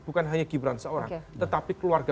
bukan hanya gibran seorang tetapi keluarga